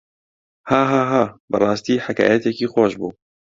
هاهاها بەڕاستی حەکایەتێکی خۆش بوو.